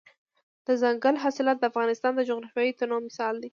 دځنګل حاصلات د افغانستان د جغرافیوي تنوع مثال دی.